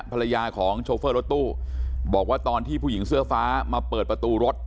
ภรรยาของโชเฟอร์รถตู้บอกว่าตอนที่ผู้หญิงเสื้อฟ้ามาเปิดประตูรถ